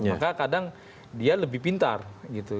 maka kadang dia lebih pintar gitu